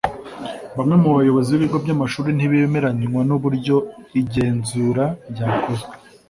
Bamwe mu bayobozi b’ibigo by’amashuri ntibemeranywa n’uburyo igenzura ryakozwe